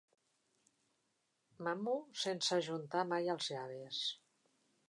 Mamo sense ajuntar mai els llavis.